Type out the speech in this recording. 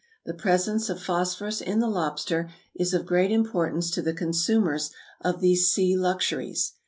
The presence of phosphorus in the lobster is of great importance to the consumers of these sea luxuries.